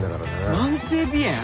慢性鼻炎？